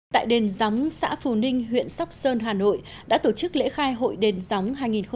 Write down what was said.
tại đền gióng xã phù ninh huyện sóc sơn hà nội đã tổ chức lễ khai hội đền gióng hai nghìn một mươi chín